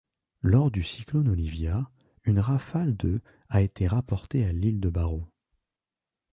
Lors du cyclone Olivia, une rafale de a été rapportée à l’île de Barrow.